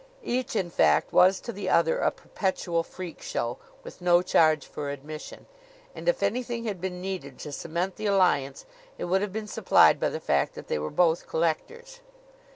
Each, in fact, was to the other a perpetual freak show, with no charge for admission. And if anything had been needed to cement the alliance it would have been supplied by the fact that they were both collectors.